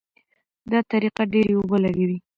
دا طریقه ډېرې اوبه لګوي.